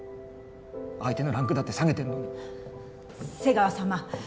相手のランクだって下げてるのに瀬川様